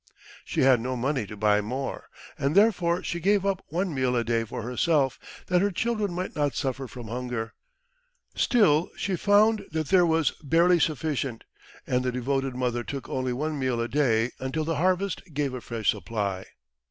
She had no money to buy more, and therefore she gave up one meal a day for herself, that her children might not suffer from hunger. Still she found that there was barely sufficient, and the devoted mother took only one meal a day until the harvest gave a fresh supply.